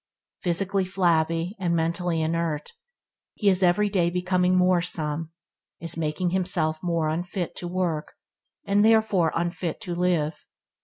Physically flabby and mentally inert, he is every day becoming more some, is making himself more unfit to work, and therefore unfit to live.